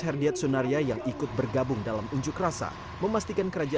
karena adanya skipmen pariwisata ini kita merasa terusik